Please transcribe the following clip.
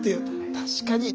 確かに。